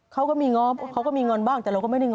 ไม่มีไม่มีคุยกันเค้าก็ตรง